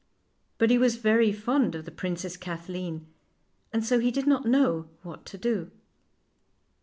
But he was very fond of the Princess Kathleen, and so he did not know what to do.